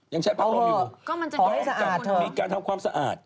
ก็มันจะเปลี่ยนแบบนี้การทำความสะอาด